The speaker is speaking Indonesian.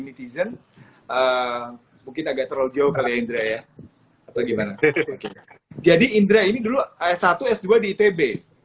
netizen mungkin agak terlalu jauh kali indra ya atau gimana jadi indra ini dulu s satu s dua di itb